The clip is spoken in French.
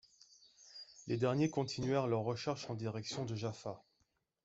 Les derniers continuèrent leurs recherches en direction de Jaffa.